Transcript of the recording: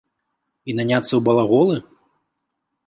І наняцца ў балаголы?